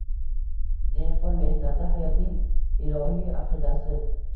Dehqon mehnati hayotning ilohiy aqidasi